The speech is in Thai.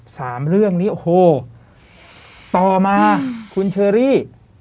สามเรื่องนี้โอ้โหต่อมาคุณเชอรี่